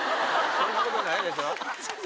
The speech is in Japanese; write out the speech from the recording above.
そんなことないでしょ！